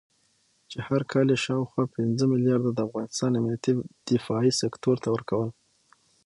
چې هر کال یې شاوخوا پنځه مليارده د افغانستان امنيتي دفاعي سکتور ته ورکول